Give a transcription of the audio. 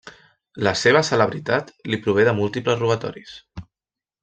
La seva celebritat li prové de múltiples robatoris.